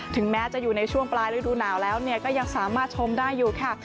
ถึงแม้จะอยู่ในช่วงปลายฤดูหนาวแล้วก็ยังสามารถชมได้อยู่ค่ะ